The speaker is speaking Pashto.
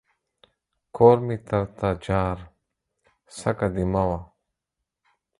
کور مې تر تا جار ، څکه دي مه وه.